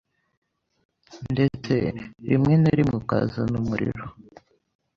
ndetse rimwe na rimwe ukazana umuriro